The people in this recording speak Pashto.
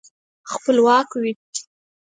خپلواک وي.